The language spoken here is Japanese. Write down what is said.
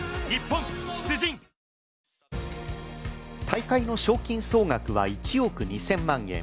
大会の賞金総額は１億２０００万円。